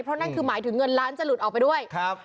เพราะนั่นคือหมายถึงเงินล้านจะหลุดออกไปด้วยครับ